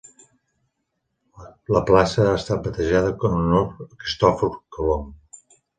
La plaça ha estat batejada en honor de Cristòfor Colom.